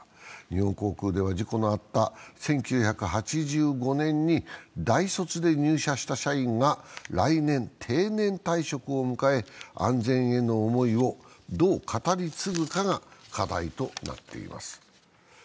日本航空では、事故のあった１９８５年に大卒で入社した社員が来年、定年退職を迎え安全への思いをどう語り継ぐかが課題となっています。